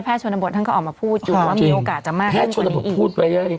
แพทย์ชนบทก็ออกมาพูดอยู่นะว่ามีโอกาสจะมากกว่านี้อีก